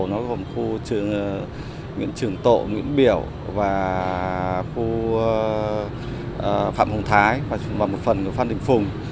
nó gồm khu nguyễn trường tộ nguyễn biểu và khu phạm hồng thái và một phần của phan đình phùng